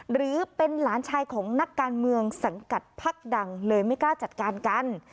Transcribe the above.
หรือเป็นหลานชายของนักการเมืองสังกัดพักดังเลยไม่กล้าจัดการกัน